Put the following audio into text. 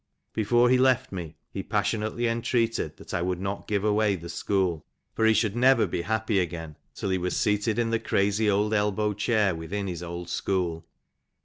Before he left me, he passionately entreated that I would not give away the school, for he should never be happy again till he was seated in the crazy old elbow chair within his school.